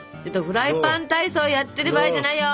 フライパン体操やってる場合じゃないよ。